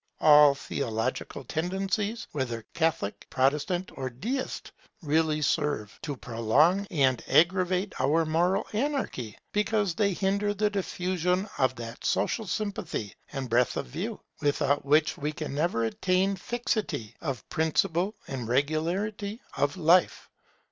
All theological tendencies, whether Catholic, Protestant, or Deist, really serve to prolong and aggravate our moral anarchy, because they hinder the diffusion of that social sympathy and breadth of view, without which we can never attain fixity of principle and regularity of life.